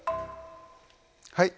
はい。